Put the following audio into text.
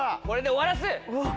これで終わらす！